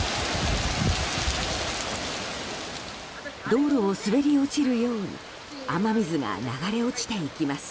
道路を滑り落ちるように雨水が流れ落ちていきます。